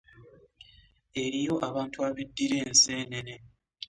Eriyo abantu abedira ensenene.